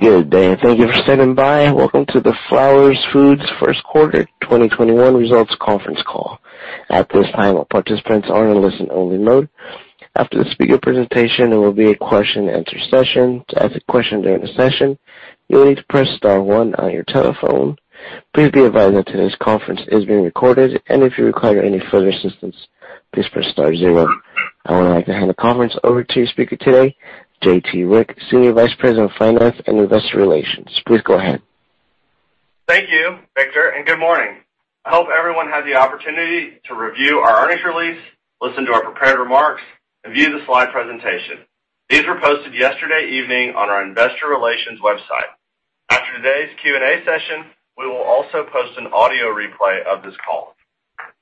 Good day. Thank you for standing by. Welcome to the Flowers Foods First Quarter 2021 Results Conference Call. I'd like to hand the conference over to your speaker today, J.T. Rieck, Senior Vice President of Finance and Investor Relations. Please go ahead. Thank you, Victor. Good morning. I hope everyone had the opportunity to review our earnings release, listen to our prepared remarks, and view the slide presentation. These were posted yesterday evening on our investor relations website. After today's Q&A session, we will also post an audio replay of this call.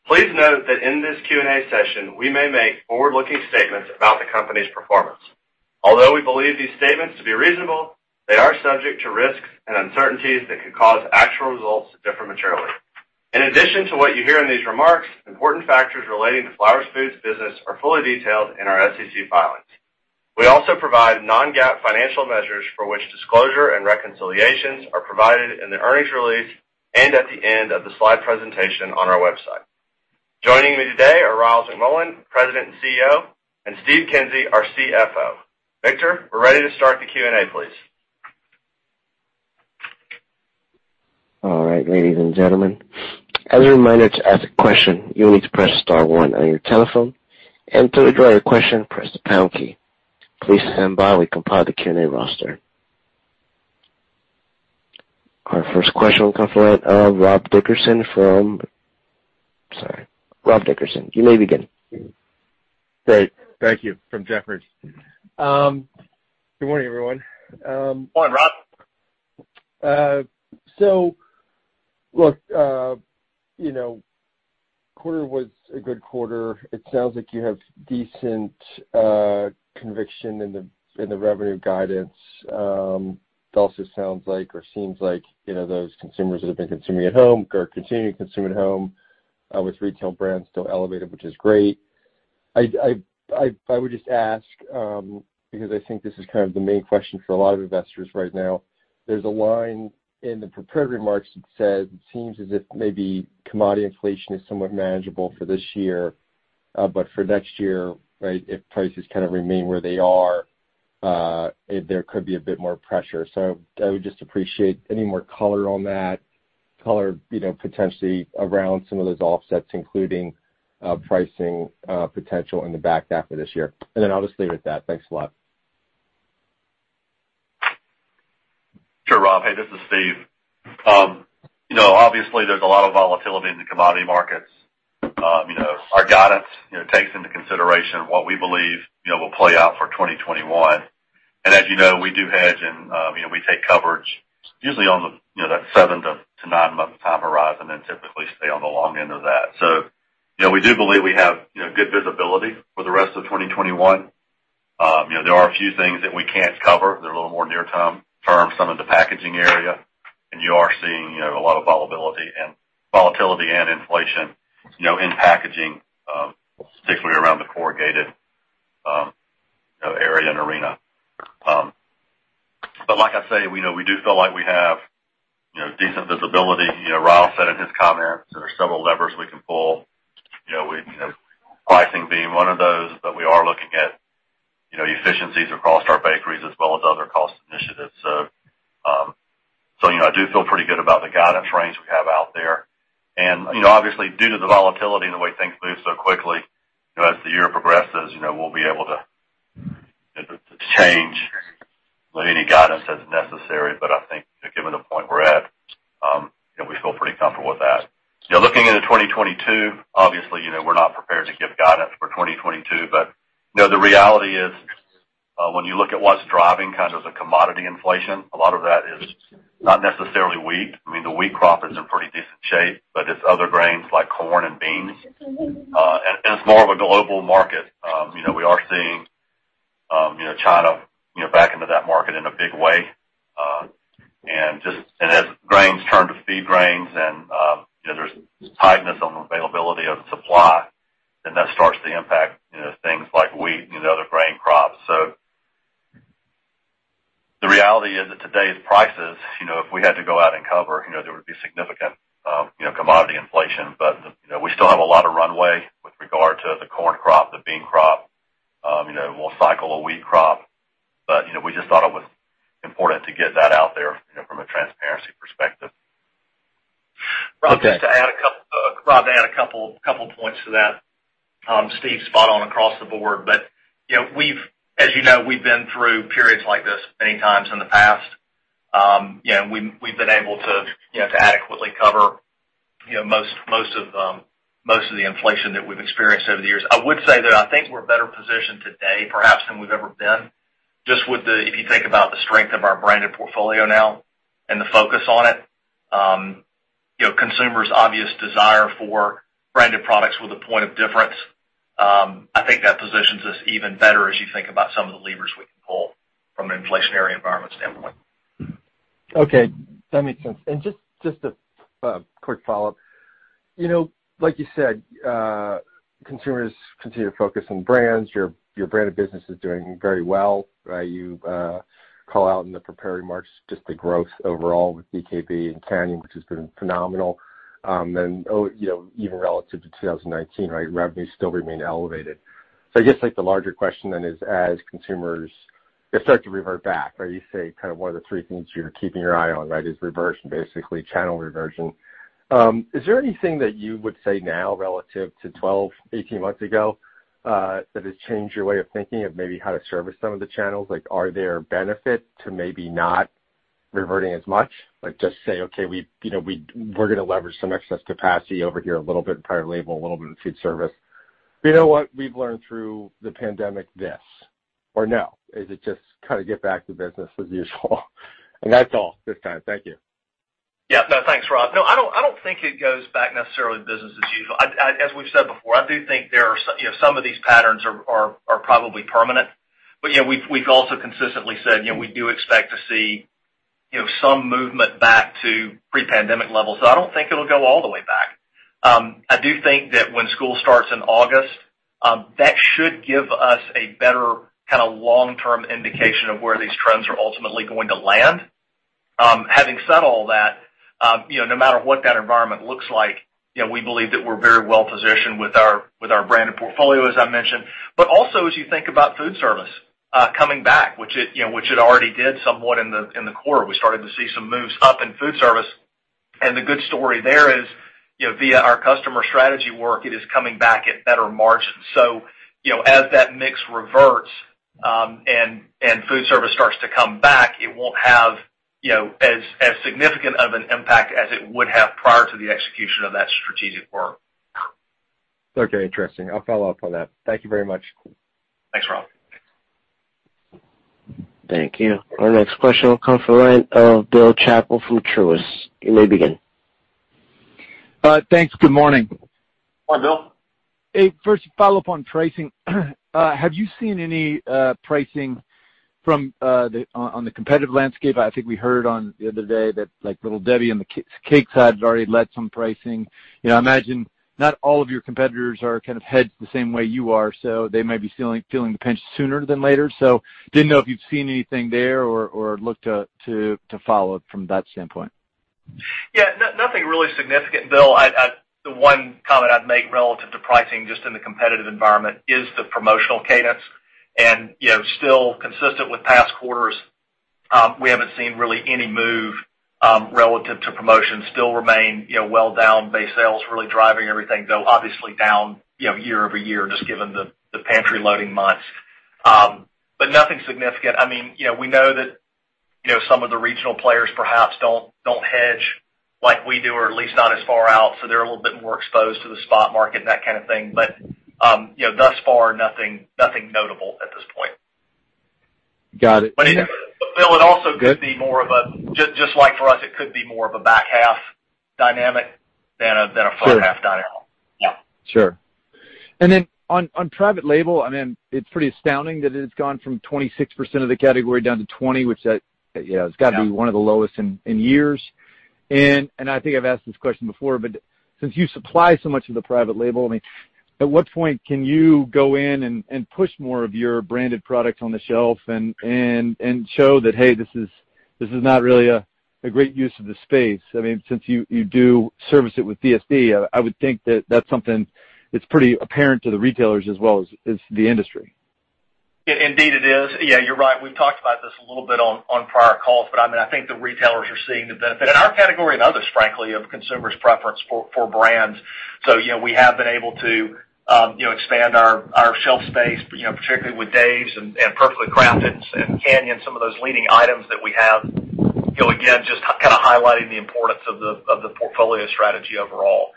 Please note that in this Q&A session, we may make forward-looking statements about the company's performance. Although we believe these statements to be reasonable, they are subject to risks and uncertainties that could cause actual results to differ materially. In addition to what you hear in these remarks, important factors relating to Flowers Foods business are fully detailed in our SEC filings. We also provide non-GAAP financial measures for which disclosure and reconciliations are provided in the earnings release and at the end of the slide presentation on our website. Joining me today are Ryals McMullian, President and CEO, and Steve Kinsey, our CFO. Victor, we're ready to start the Q&A, please. Our first question will come from Rob Dickerson. You may begin. Great. Thank you. From Jefferies. Good morning, everyone. Good morning, Rob. Look, quarter was a good quarter. It sounds like you have decent conviction in the revenue guidance. It also sounds like or seems like those consumers that have been consuming at home are continuing consuming at home with retail brands still elevated, which is great. I would just ask, because I think this is the main question for a lot of investors right now. There's a line in the prepared remarks that said, it seems as if maybe commodity inflation is somewhat manageable for this year, but for next year, right, if prices remain where they are, there could be a bit more pressure. I would just appreciate any more color on that, color potentially around some of those offsets, including pricing potential in the back half of this year. I'll just leave it at that. Thanks a lot. Sure, Rob. Hey, this is Steve. Obviously, there's a lot of volatility in the commodity markets. Our guidance takes into consideration what we believe will play out for 2021. As you know, we do hedge and we take coverage usually on that seven to nine-month time horizon and typically stay on the long end of that. We do believe we have good visibility for the rest of 2021. There are a few things that we can't cover. They're a little more near-term, some in the packaging area, you are seeing a lot of volatility and inflation in packaging, particularly around the corrugated area and arena. Like I say, we do feel like we have decent visibility. Ryals said in his comments there's several levers we can pull, with pricing being one of those, but we are looking at the efficiencies across our bakeries as well as other cost initiatives. I do feel pretty good about the guidance range we have out there. Obviously, due to the volatility and the way things move so quickly, as the year progresses, we'll be able to change any guidance as necessary. I think given the point we're at, we feel pretty comfortable with that. Looking into 2022, obviously, we're not prepared to give guidance for 2022. The reality is, when you look at what's driving the commodity inflation, a lot of that is not necessarily wheat. I mean, the wheat crop is in pretty decent shape, but it's other grains like corn and beans. It's more of a global market. We are seeing China back into that market in a big way. As grains turn to feed grains and there's tightness on the availability of the supply, then that starts to impact things like wheat and other grain crops. The reality is that today's prices, if we had to go out and cover, there would be significant commodity inflation. We still have a lot of runway with regard to the corn crop, the bean crop. We'll cycle a wheat crop. We just thought it was important to get that out there from a transparency perspective. Okay. Rob, to add a couple points to that. Steve's spot on across the board. As you know, we've been through periods like this many times in the past. We've been able to adequately cover most of the inflation that we've experienced over the years. I would say that I think we're better positioned today perhaps than we've ever been. If you think about the strength of our branded portfolio now and the focus on it. Consumers' obvious desire for branded products with a point of difference. I think that positions us even better as you think about some of the levers we can pull from an inflationary environment standpoint. Okay. That makes sense. Just a quick follow-up. Like you said, consumers continue to focus on brands. Your brand of business is doing very well. You call out in the prepared remarks just the growth overall with DKB and Canyon, which has been phenomenal. Even relative to 2019, revenue still remains elevated. I guess the larger question then is as consumers start to revert back, you say one of the three things you're keeping your eye on is reversion, basically channel reversion. Is there anything that you would say now relative to 12, 18 months ago, that has changed your way of thinking of maybe how to service some of the channels? Are there benefits to maybe not reverting as much? Just say, okay, we're going to leverage some excess capacity over here a little bit in private label, a little bit in food service. You know what? We've learned through the pandemic this or no? Is it just kind of get back to business as usual? That's all this time. Thank you. Yeah. No, thanks, Rob. No, I don't think it goes back necessarily to business as usual. As we've said before, I do think some of these patterns are probably permanent. We've also consistently said we do expect to see some movement back to pre-pandemic levels. I don't think it'll go all the way back. I do think that when school starts in August, that should give us a better long-term indication of where these trends are ultimately going to land. Having said all that, no matter what that environment looks like, we believe that we're very well-positioned with our branded portfolio, as I mentioned. Also as you think about food service coming back, which it already did somewhat in the quarter, we started to see some moves up in food service. The good story there is, via our customer strategy work, it is coming back at better margins. As that mix reverts and food service starts to come back, it won't have as significant of an impact as it would have prior to the execution of that strategic work. Okay, interesting. I'll follow up on that. Thank you very much. Thanks, Rob. Thank you. Our next question will come from the line of Bill Chappell from Truist. You may begin. Thanks. Good morning. Hi, Bill. Hey, first a follow-up on pricing. Have you seen any pricing on the competitive landscape? I think we heard on the other day that Little Debbie on the cake side has already led some pricing. I imagine not all of your competitors are kind of hedged the same way you are, so they may be feeling the pinch sooner than later. Didn't know if you'd seen anything there or looked to follow up from that standpoint. Yeah. Nothing really significant, Bill. The one comment I'd make relative to pricing just in the competitive environment is the promotional cadence. Still consistent with past quarters, we haven't seen really any move relative to promotions. Still remain well down base sales, really driving everything, Bill, obviously down year-over-year just given the pantry-loading months. Nothing significant. We know that some of the regional players perhaps don't hedge like we do or at least not as far out, so they're a little bit more exposed to the spot market, that kind of thing. Thus far, nothing notable at this point. Got it. Bill, Just like for us, it could be more of a back half dynamic than a front half dynamic. Sure. Yeah. Sure. On private label, it's pretty astounding that it's gone from 26% of the category down to 20%, which that, yeah, has got to be one of the lowest in years. I think I've asked this question before, but since you supply so much of the private label, at what point can you go in and push more of your branded product on the shelf and show that, hey, this is not really a great use of the space. Since you do service it with DSD, I would think that that's something that's pretty apparent to the retailers as well as the industry. Indeed, it is. Yeah, you're right. We've talked about this a little bit on prior calls, but I think the retailers are seeing the benefit, in our category and others, frankly, of consumers' preference for brands. We have been able to expand our shelf space, particularly with Dave's and Perfectly Crafted and Canyon, some of those leading items that we have. Again, just kind of highlighting the importance of the portfolio strategy overall.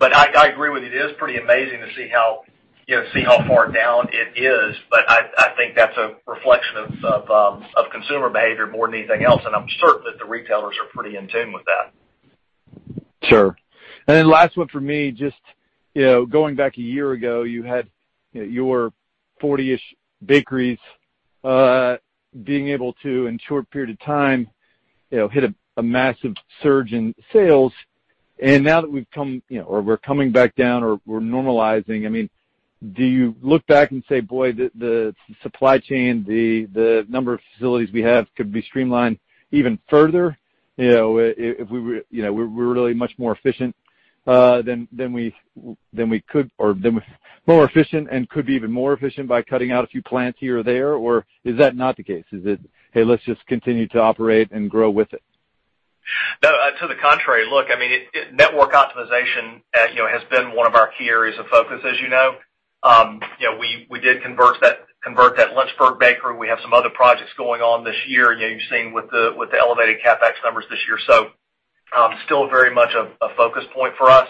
I agree with you, it is pretty amazing to see how far down it is. I think that's a reflection of consumer behavior more than anything else, and I'm certain that the retailers are pretty in tune with that. Sure. Last one for me, just going back a year ago, you had your 40-ish bakeries being able to, in a short period of time, hit a massive surge in sales. Now that we're coming back down or we're normalizing, do you look back and say, boy, the supply chain, the number of facilities we have could be streamlined even further? We're really much more efficient than we could, or more efficient and could be even more efficient by cutting out a few plants here or there, or is that not the case? Is it, hey, let's just continue to operate and grow with it? No, to the contrary. Look, network optimization has been one of our key areas of focus, as you know. We did convert that Lynchburg bakery. We have some other projects going on this year. You've seen with the elevated CapEx numbers this year. Still very much a focus point for us.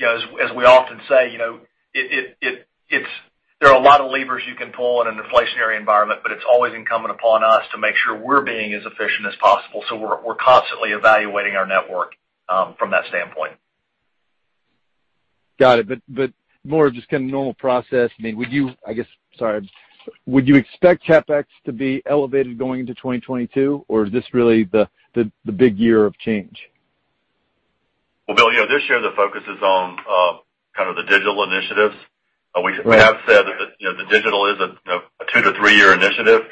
As we often say, there are a lot of levers you can pull in an inflationary environment, but it's always incumbent upon us to make sure we're being as efficient as possible. We're constantly evaluating our network from that standpoint. Got it. More of just normal process. Would you expect CapEx to be elevated going into 2022, or is this really the big year of change? Well, Bill, this year, the focus is on the digital initiatives. We have said that the digital is a two to three-year initiative.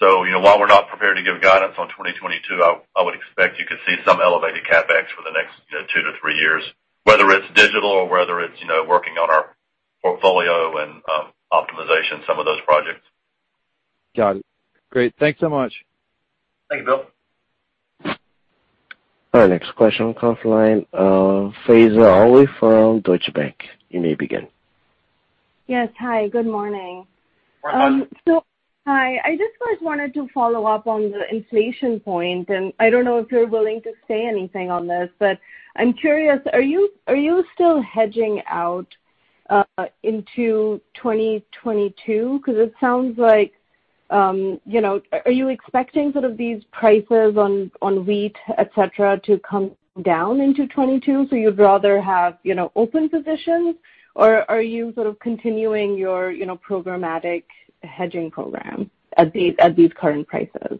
While we're not prepared to give guidance on 2022, I would expect you could see some elevated CapEx for the next two to three years, whether it's digital or whether it's working on our portfolio and optimization, some of those projects. Got it. Great. Thanks so much. Thanks, Bill. All right, next question comes from the line of Faiza Alwy from Deutsche Bank. You may begin. Yes. Hi, good morning. Good morning. Hi. I just wanted to follow up on the inflation point, and I don't know if you're willing to say anything on this, but I'm curious, are you still hedging out into 2022? Are you expecting these prices on wheat, et cetera, to come down into 2022, so you'd rather have open positions? Or are you continuing your programmatic hedging program at these current prices?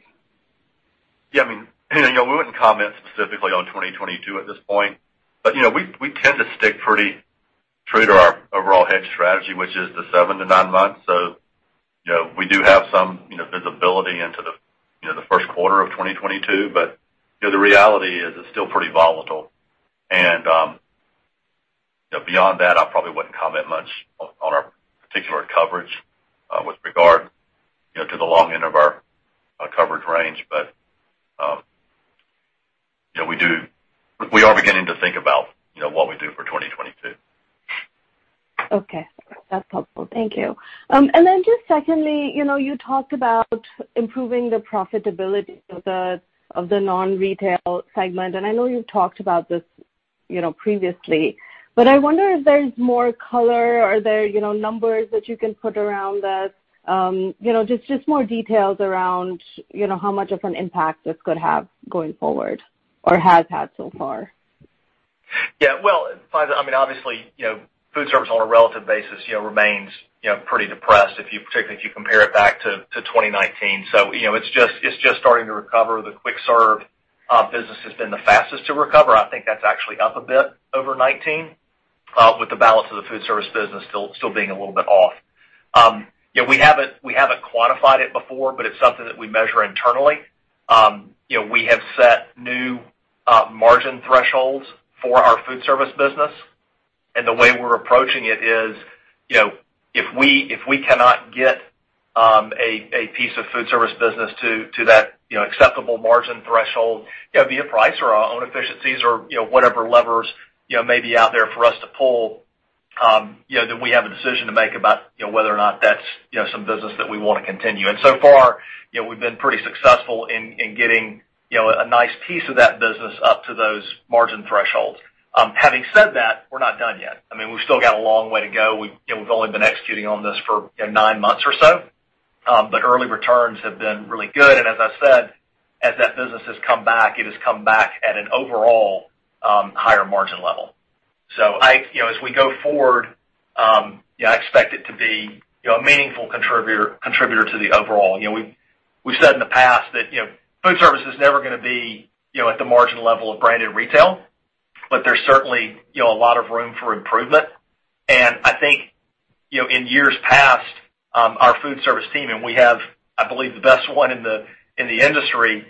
I wouldn't comment specifically on 2022 at this point. We tend to stick pretty true to our overall hedge strategy, which is the seven to nine months. We do have some visibility into the first quarter of 2022. The reality is it's still pretty volatile, and beyond that, I probably wouldn't comment much on our particular coverage with regard to the long end of our coverage range. We are beginning to think about what we do for 2022. Okay, that's helpful. Thank you. Just secondly, you talked about improving the profitability of the non-retail segment, and I know you've talked about this previously, but I wonder if there's more color. Are there numbers that you can put around this, just more details around how much of an impact this could have going forward or has had so far? Well, obviously, food service on a relative basis remains pretty depressed, particularly if you compare it back to 2019. It's just starting to recover. The quick serve business has been the fastest to recover. I think that's actually up a bit over 2019 with the balance of the food service business still being a little bit off. We haven't quantified it before, but it's something that we measure internally. We have set new margin thresholds for our food service business, and the way we're approaching it is if we cannot get a piece of food service business to that acceptable margin threshold, be it price or efficiencies or whatever levers may be out there for us to pull, then we have a decision to make about whether or not that's some business that we want to continue. So far, we've been pretty successful in getting a nice piece of that business up to those margin thresholds. Having said that, we're not done yet. We've still got a long way to go. We've only been executing on this for nine months or so. Early returns have been really good. As I said, as that business has come back, it has come back at an overall higher margin level. As we go forward, I expect it to be a meaningful contributor to the overall. We said in the past that food service is never going to be at the margin level of branded retail, but there's certainly a lot of room for improvement. I think in years past, our food service team, and we have, I believe, the best one in the industry,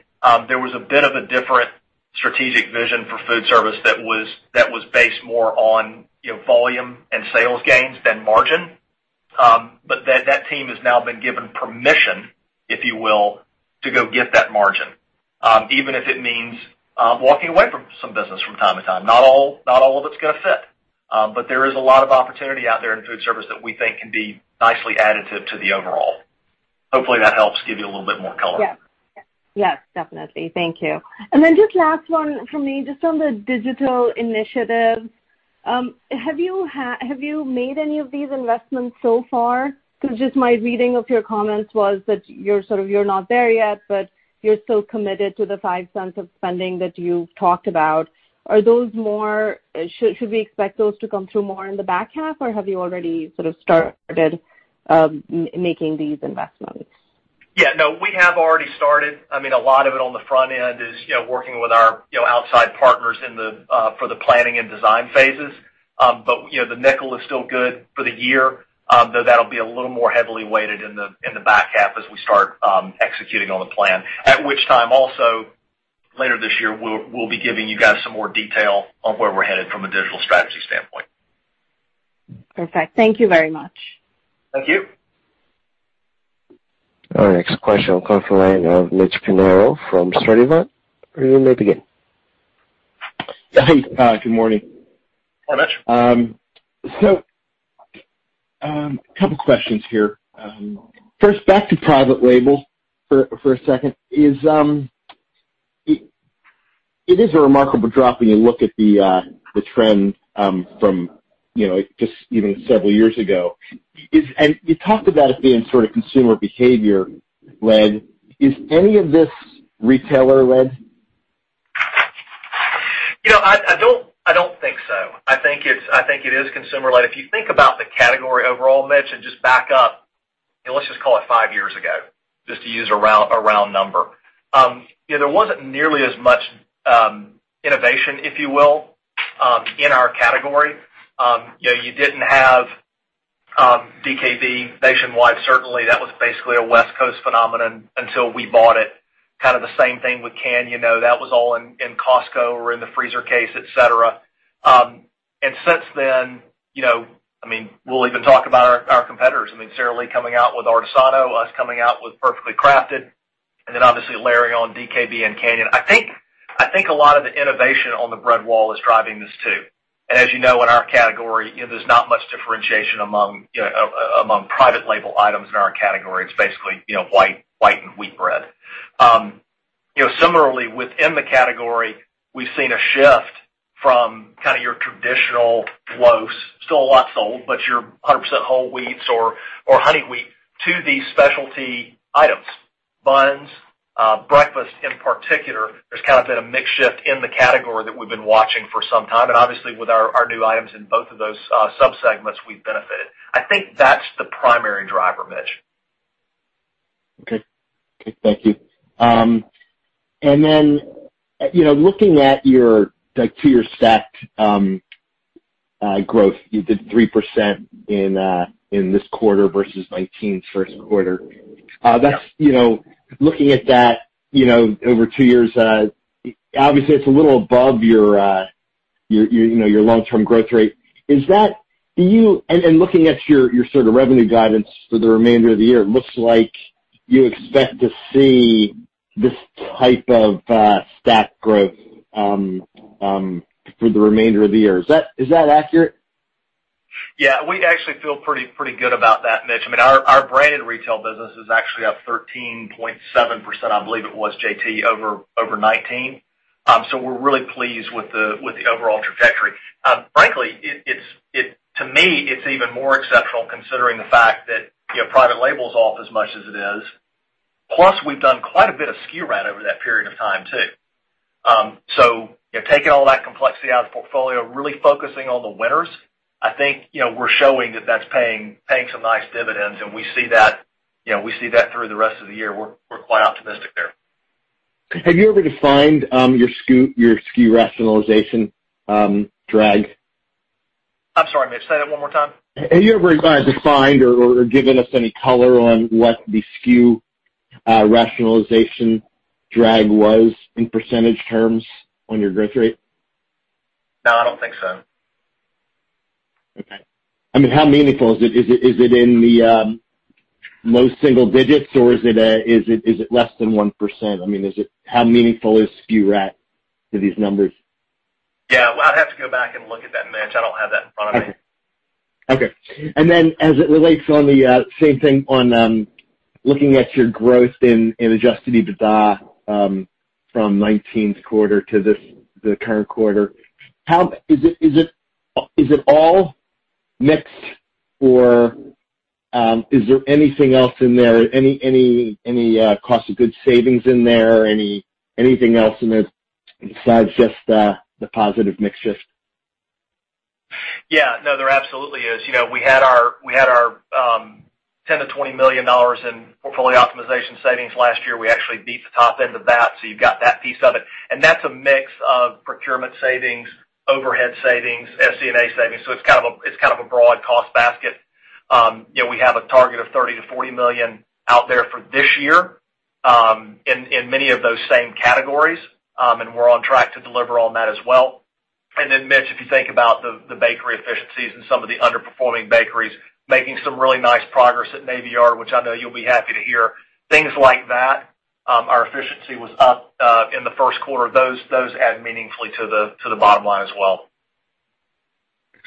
there was a bit of a different strategic vision for food service that was based more on volume and sales gains than margin. That team has now been given permission, if you will, to go get that margin, even if it means walking away from some business from time to time. Not all of it's going to fit. There is a lot of opportunity out there in food service that we think can be nicely additive to the overall. Hopefully, that helps give you a little bit more color. Yes, definitely. Thank you. Just last one from me, just on the digital initiatives. Have you made any of these investments so far? Just my reading of your comments was that you're not there yet, but you're still committed to the $0.05 of spending that you've talked about. Should we expect those to come through more in the back half, or have you already started making these investments? Yeah, no, we have already started. A lot of it on the front end is working with our outside partners for the planning and design phases. The nickel is still good for the year, though that'll be a little more heavily weighted in the back half as we start executing on the plan. At which time, also later this year, we'll be giving you guys some more detail on where we're headed from a digital strategy standpoint. Perfect. Thank you very much. Thank you. All right, next question will come from the line of Mitchell Pinheiro from Sturdivant. You may begin. Hi. Good morning. Morning, Mitch. A couple questions here. First, back to private label for a second. It is a remarkable drop if you look at the trend from just even several years ago. You talked about it being consumer behavior led. Is any of this retailer led? I don't think so. I think it is consumer-led. If you think about the category overall, Mitch, and just back up, let's just call it five years ago, just to use a round number. There wasn't nearly as much innovation, if you will, in our category. You didn't have DKB nationwide, certainly that was basically a West Coast phenomenon until we bought it. Kind of the same thing with Canyon, that was all in Costco or in the freezer case, et cetera. Since then, we'll even talk about our competitors. Sara Lee coming out with Artesano, us coming out with Perfectly Crafted, and then obviously layering on DKB and Canyon. I think a lot of the innovation on the bread wall is driving this too. As you know, in our category, there's not much differentiation among private label items in our category. It's basically white and wheat bread. Similarly, within the category, we've seen a shift from your traditional loaves, still lots sold, but your 100% whole wheats or honey wheat to the specialty items, buns, breakfast in particular. There's kind of been a mix shift in the category that we've been watching for some time. Obviously with our new items in both of those sub-segments, we benefit. I think that's the primary driver, Mitch. Okay. Thank you. Looking at your stack growth, the 3% in this quarter versus 2019's first quarter. Looking at that over two years, obviously it's a little above your long-term growth rate. Looking at your revenue guidance for the remainder of the year, it looks like you expect to see this type of stack growth for the remainder of the year. Is that accurate? Yeah, we actually feel pretty good about that, Mitch. Our branded retail business is actually up 13.7%, I believe, it was J.T. over 2019. We're really pleased with the overall trajectory. Frankly, to me, it's even more exceptional considering the fact that private label's off as much as it is. We've done quite a bit of SKU rationalization over that period of time too. Taking all that complexity out of the portfolio, really focusing on the winners, I think we're showing that that's paying some nice dividends, and we see that through the rest of the year. We're quite optimistic there. Have you ever defined your SKU rationalization drag? I'm sorry, Mitch, say that one more time. Have you ever defined or given us any color on what the SKU rationalization drag was in percentage terms on your growth rate? No, I don't think so. Okay. How meaningful is it? Is it in the low single digits or is it less than 1%? How meaningful is SKU rationalization to these numbers? Yeah, I'd have to go back and look at that, Mitch. I don't have that in front of me. Okay. As it relates on the same thing on looking at your growth in adjusted EBITDA from 2019's quarter to the current quarter, is it all mix or is there anything else in there? Any cost of goods savings in there? Anything else in there besides just the positive mix shift? Yeah. No, there absolutely is. We had our $10 million-$20 million in portfolio optimization savings last year. We actually beat the top end of that, so you've got that piece of it. That's a mix of procurement savings, overhead savings, SG&A savings. It's kind of a broad cost basket. We have a target of $30 million-$40 million out there for this year in many of those same categories, and we're on track to deliver on that as well. Mitch, if you think about the bakery efficiencies and some of the underperforming bakeries making some really nice progress at Navy Yard, which I know you'll be happy to hear, things like that. Our efficiency was up in the first quarter. Those add meaningfully to the bottom line as well.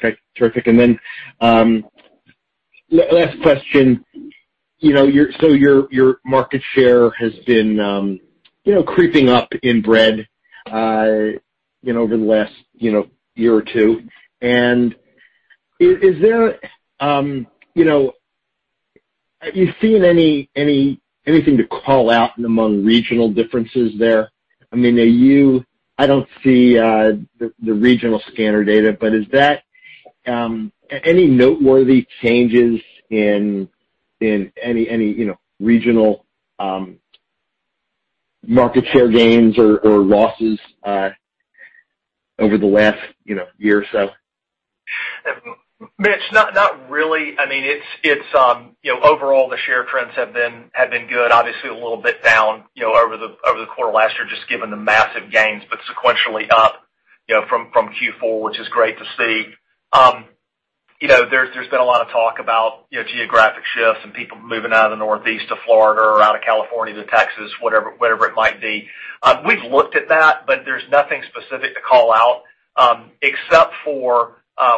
Okay, terrific. Last question. Your market share has been creeping up in bread over the last year or two. Have you seen anything to call out in among regional differences there? I don't see the regional scanner data, but any noteworthy changes in any regional market share gains or losses over the last year or so? Mitch, not really. Overall, the share trends have been good. Obviously a little bit down over the quarter last year, just given the massive gains, but sequentially up from Q4, which is great to see. There's been a lot of talk about geographic shifts and people moving out of the Northeast to Florida or out of California to Texas, whatever it might be. We've looked at that, but there's nothing specific to call out except for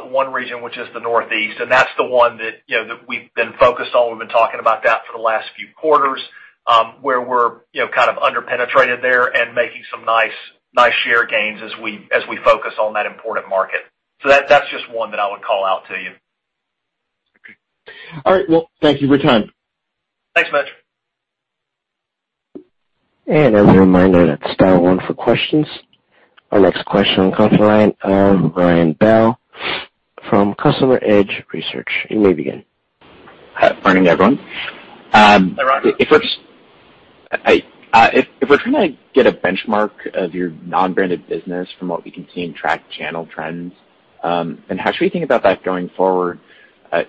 one region, which is the Northeast, and that's the one that we've been focused on. We've been talking about that for the last few quarters where we're kind of under-penetrated there and making some nice share gains as we focus on that important market. That's just one that I would call out to you. All right. Well, thank you for your time. Thanks, Mitch. As a reminder, that's star one for questions. Our next question on the conference line, Ryan Bell from Consumer Edge Research in Victor. Morning, everyone. Hi, Ryan. If we're trying to get a benchmark of your non-branded business from what we can see in track channel trends, how should we think about that going forward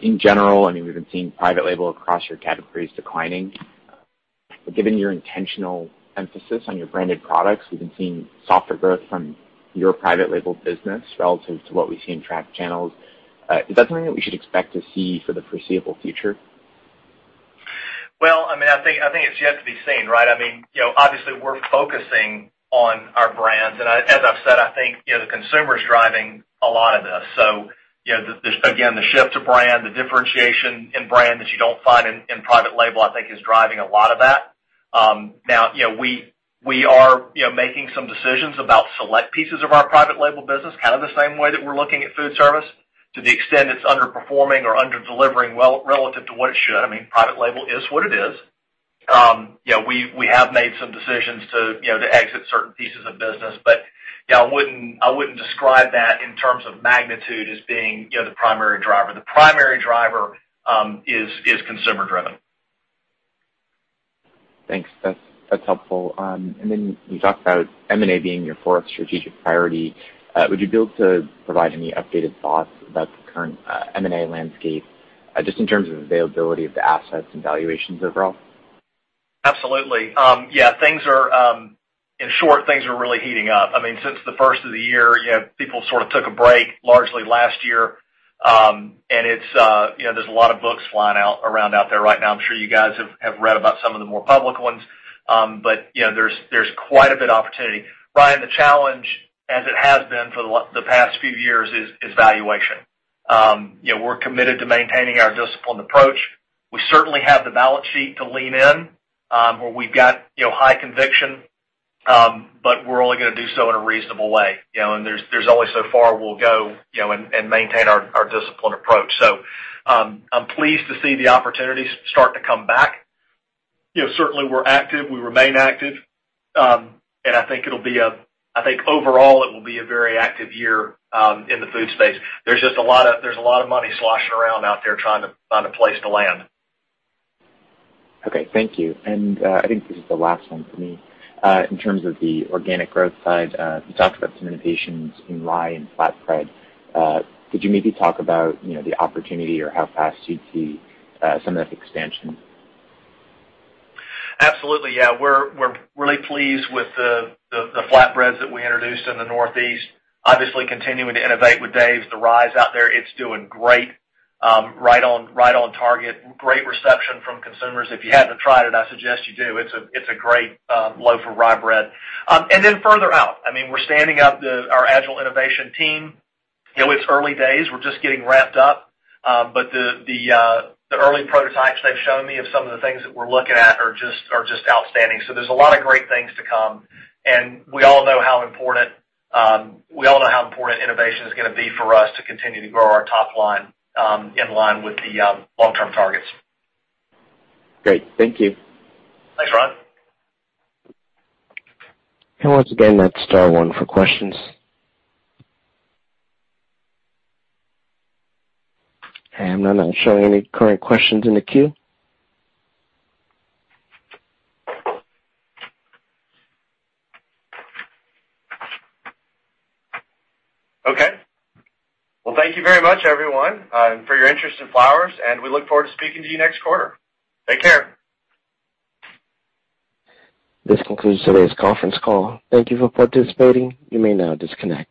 in general? I know we've been seeing private label across your categories declining. Given your intentional emphasis on your branded products, we've been seeing softer growth from your private label business relative to what we see in track channels. Is that something we should expect to see for the foreseeable future? Well, I think it's yet to be seen, right? Obviously, we're focusing on our brands, and as I said, I think the consumer is driving a lot of this. Again, the shift to brand, the differentiation in brand that you don't find in private label, I think is driving a lot of that. Now, we are making some decisions about select pieces of our private label business, kind of the same way that we're looking at food service to the extent it's underperforming or under-delivering relative to what it should. Private label is what it is. We have made some decisions to exit certain pieces of business, but I wouldn't describe that in terms of magnitude as being the primary driver. The primary driver is consumer-driven. Thanks. That's helpful. You talked about M&A being your fourth strategic priority. Would you be able to provide any updated thoughts about the current M&A landscape just in terms of availability of assets and valuations overall? Absolutely. In short, things are really heating up. Since the first of the year, people sort of took a break largely last year. There's a lot of books flying out around out there right now. I'm sure you guys have read about some of the more public ones. There's quite a bit of opportunity. Ryan, the challenge, as it has been for the past few years, is valuation. We're committed to maintaining our disciplined approach. We certainly have the balance sheet to lean in where we've got high conviction, but we're only going to do so in a reasonable way, and there's only so far we'll go and maintain our disciplined approach. I'm pleased to see the opportunities start to come back. Certainly, we're active, we remain active. I think overall it will be a very active year in the food space. There's a lot of money sloshing around out there trying to find a place to land. Okay. Thank you. I think this is the last one for me. In terms of the organic growth side, you talked about some innovations in rye and flatbread. Could you maybe talk about the opportunity or how fast you'd see some of the expansion? Absolutely. Yeah. We're really pleased with the flatbreads that we introduced in the Northeast. Obviously continuing to innovate with Dave's, the rye's out there. It's doing great. Right on target. Great reception from consumers. If you haven't tried it, I suggest you do. It's a great loaf of rye bread. Further out, we're standing up our agile innovation team. It's early days. We're just getting ramped up. The early prototypes they've shown me of some of the things that we're looking at are just outstanding. There's a lot of great things to come, and we all know how important innovation is going to be for us to continue to grow our top line in line with the long-term targets. Great. Thank you. Thanks, Ryan. Once again, that's star one for questions. I'm not showing any current questions in the queue. Okay. Well, thank you very much, everyone, for your interest in Flowers, and we look forward to speaking to you next quarter. Take care. This concludes today's conference call. Thank you for participating. You may now disconnect.